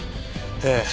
ええ。